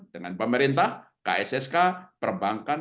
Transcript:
dengan pemerintah kssk perbankan